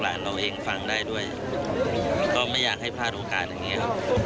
และก็อยากให้ลูกได้เห็น